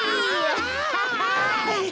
アッハハ！